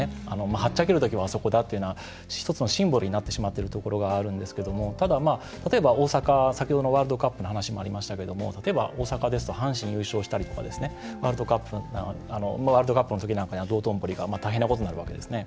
はっちゃけるだけはあそこだっていうようなシンボルになってしまっているところがあるんですけどワールドカップの話もありましたけど例えば大阪ですと阪神が優勝したりですとかワールドカップのときなんかには道頓堀が大変なことになるわけですね。